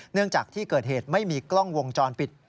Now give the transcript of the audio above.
จากที่เกิดเหตุไม่มีกล้องวงจรปิด